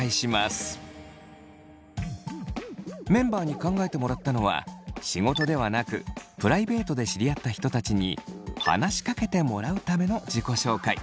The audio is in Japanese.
メンバーに考えてもらったのは仕事ではなくプライベートで知り合った人たちに話しかけてもらうための自己紹介。